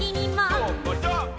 どーもどーも。